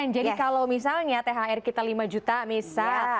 jadi kalau misalnya thr kita lima juta misal